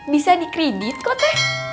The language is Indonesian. bisa dikredit kok teh